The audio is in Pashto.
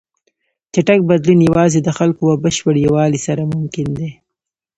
چټک بدلون یوازې د خلکو په بشپړ یووالي سره ممکن دی.